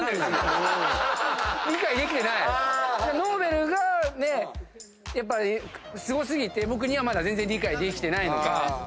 ノーベルがすご過ぎて僕にはまだ全然理解できてないのか。